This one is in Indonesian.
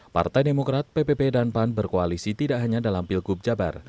partai demokrat ppp dan pan berkoalisi tidak hanya dalam pilgub jabar